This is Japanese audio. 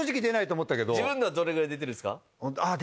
自分のはどれぐらい出てるんですか？